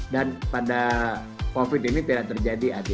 dan pada covid ini tidak terjadi ade